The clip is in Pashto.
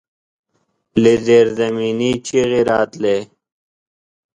له زيرزمينې چيغې راتلې.